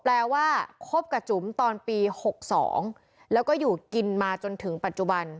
ว่าคบกับจุ๋มตอนปี๖๒แล้วก็อยู่กินมาจนถึงปัจจุบัน